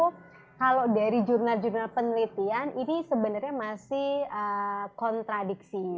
kalau dari jurnal jurnal penelitian ini sebenarnya masih kontradiksi